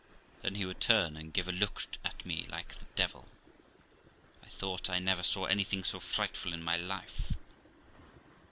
Then he would turn and give a look at me like the devil. I thought I never saw anything so frightful in my life.